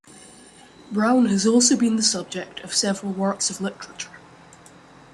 Brown has also been the subject of several works of literature.